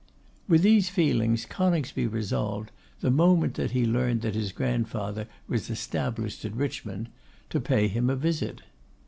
With these feelings, Coningsby resolved, the moment that he learned that his grandfather was established at Richmond, to pay him a visit.